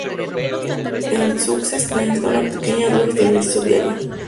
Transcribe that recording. El sussex necesita una pequeña dosis de ejercicio diaria.